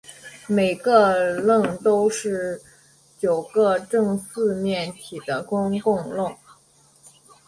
每个棱都是九个正四面体的公共棱。